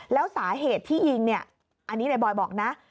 แล้วสาเหตุที่ยิงเนี่ยอันนี้ในบอยบอกนะ